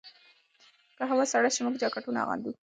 که هوا سړه شي، موږ جاکټونه اغوندو.